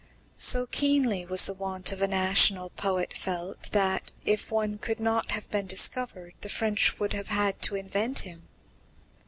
So keenly was the want of a national poet felt that, if one could not have been discovered, the French would have had to invent him.